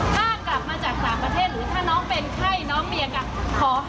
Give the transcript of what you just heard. ถ้ากลับมาจากฝาประเทศหรือถ้าน้องเป็นไข้น้องเมียก็ขอให้น้องหยุด